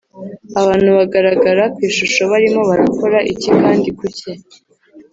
Abantu bagaragara ku ishusho barimo barakora iki kandi kuki